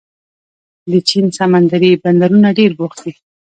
د چین سمندري بندرونه ډېر بوخت دي.